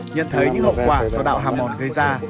nhận thấy những hậu quả do đạo hà mòn gây ra